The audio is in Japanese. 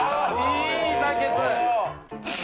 いい対決！